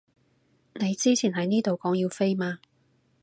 你之前喺呢度講要飛嘛